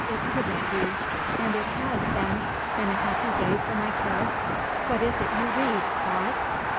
It could not be. And it has, then, been a happy day for my Karen. What is it you read, Claude?"